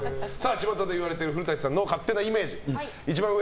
巷で言われている古舘さんの勝手なイメージ。